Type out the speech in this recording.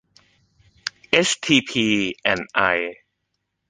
เอสทีพี แอนด์ ไอ